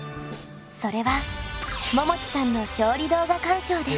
それはももちさんの勝利動画鑑賞です。